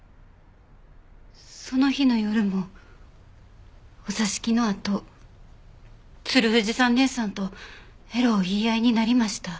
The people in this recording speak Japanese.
その日の夜もお座敷のあと鶴藤さん姉さんとえろう言い合いになりました。